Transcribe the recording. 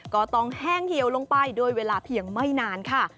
ก็ต้องแห้งเหี่ยวลงไปโดยเวลาเพียงไม่นานค่ะ